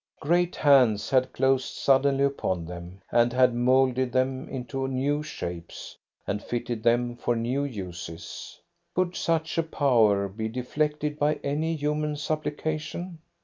Great hands had closed suddenly upon them, and had moulded them into new shapes, and fitted them for new uses. Could such a power be deflected by any human supplication?